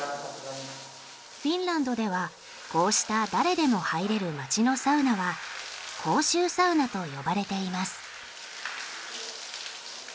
フィンランドではこうした誰でも入れる街のサウナは公衆サウナと呼ばれています。